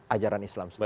ajaran islam sendiri